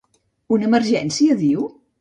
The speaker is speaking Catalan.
Una emergència, diu?